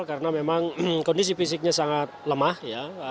karena memang kondisi fisiknya sangat lemah ya